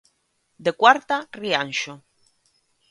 De cuarta, Rianxo.